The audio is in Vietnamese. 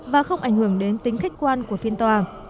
và không ảnh hưởng đến tính khách quan của phiên tòa